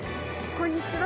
こんにちは。